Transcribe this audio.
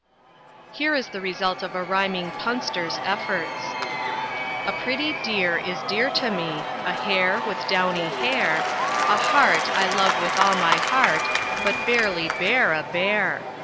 _ Here is the result of a rhyming punster's efforts: "A pretty deer is dear to me, A hare with downy hair, A hart I love with all my heart, But barely bear a bear.